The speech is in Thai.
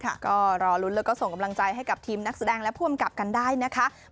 ก็รอลุ้นแล้วก็ส่งกำลังใจให้กับทีมนักแสดงและผู้อำกับกันได้นะคะ